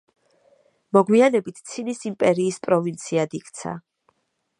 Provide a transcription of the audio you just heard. მოგვიანებით ცინის იმპერიის პროვინციად იქცა.